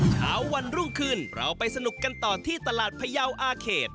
เช้าวันรุ่งขึ้นเราไปสนุกกันต่อที่ตลาดพยาวอาเขต